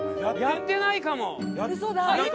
やってないかも。